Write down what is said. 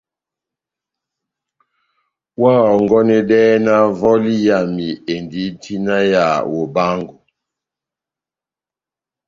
Oháhɔngɔnedɛhɛ vɔli yami endi tina ya bobaángo.